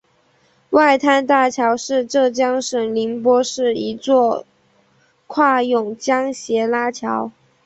外滩大桥是浙江省宁波市一座跨甬江斜拉桥。